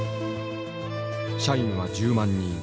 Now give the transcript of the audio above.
社員は１０万人。